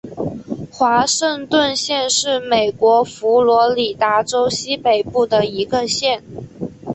华盛顿县是美国佛罗里达州西北部的一个县。